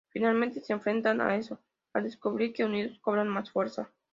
Finalmente se enfrentan a "Eso", al descubrir que unidos cobran más fuerza.